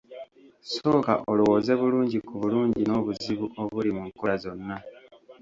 Sooka olowooze bulungi ku bulungi n’obuzibu obuli mu nkola zonna.